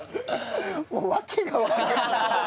もう訳がわからない。